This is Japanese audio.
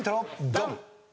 ドン！